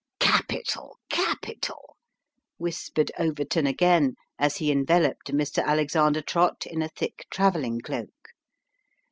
" Capital, capital," whispered Overton again, as he enveloped Mr. Alexander Trott in a thick travelling cloak.